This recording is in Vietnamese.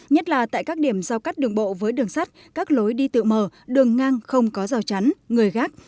nhất là tại các điểm giao cắt đường bộ với đường sắt các lối đi tự mở đường ngang không có rào chắn người gác